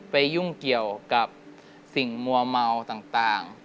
ยุ่งเกี่ยวกับสิ่งมัวเมาต่าง